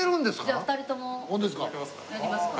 じゃあ２人ともやりますか。